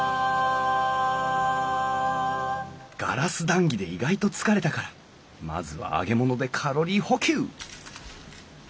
ガラス談義で意外と疲れたからまずは揚げ物でカロリー補給！